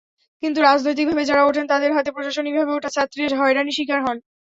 কিন্তু রাজনৈতিকভাবে যাঁরা ওঠেন, তাঁদের হাতে প্রশাসনিকভাবে ওঠা ছাত্রীরা হয়রানির শিকার হন।